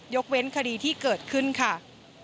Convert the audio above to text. เว้นคดีที่เกิดขึ้นค่ะ